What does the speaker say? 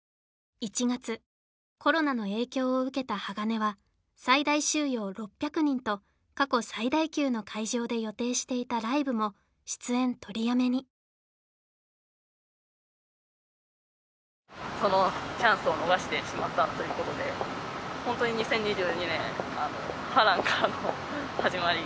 １月コロナの影響を受けたＨＡＧＡＮＥは最大収容６００人と過去最大級の会場で予定していたライブも出演取りやめにそのチャンスを逃してしまったということでホントに２０２２年波乱からの始まり